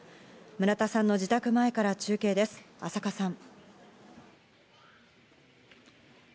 村田さんの自宅前から中継です、浅賀さん。